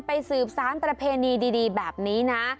สืบสารประเพณีดีแบบนี้นะ